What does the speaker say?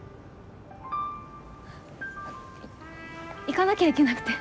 行かなきゃいけなくて。